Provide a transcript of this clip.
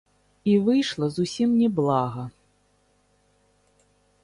І выйшла зусім не блага.